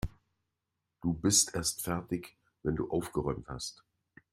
Du bist erst fertig, wenn du aufgeräumt hast.